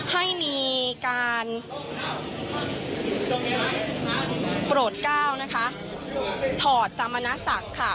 ให้มีการโปรดก้าวนะคะถอดสมณศักดิ์ค่ะ